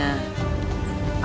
aku masih di sini